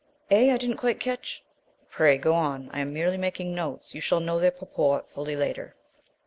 "Eh? I didn't quite catch " "Pray, go on. I am merely making notes; you shall know their purport fully later."